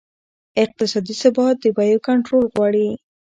اقتصادي ثبات د بیو کنټرول غواړي.